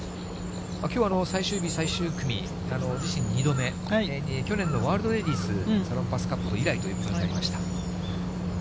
きょうは最終日、最終組、自身２度目、去年のワールドレディスサロンパスカップ以来ということになりました。